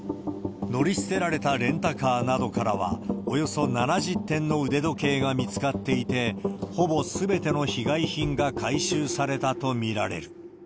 乗り捨てられたレンタカーなどからは、およそ７０点の腕時計が見つかっていて、ほぼすべての被害品が回収されたと見られる。